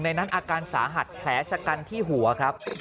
ในนั้นอาการสาหัสแผลชะกันที่หัวครับ